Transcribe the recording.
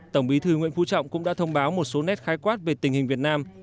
tổng bí thư nguyễn phú trọng cũng đã thông báo một số nét khái quát về tình hình việt nam